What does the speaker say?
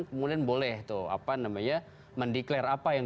kemudian boleh mendeklarasi apa yang